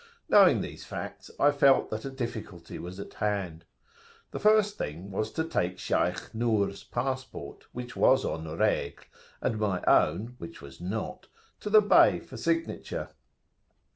Knowing these facts, I felt that a difficulty was at hand. The first thing was to take Shaykh Nur's passport, which was en regle, and my own, which was not, to the Bey for signature.